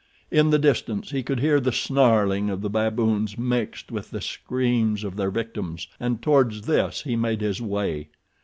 In the distance he could hear the snarling of the baboons mixed with the screams of their victims, and towards this he made his way.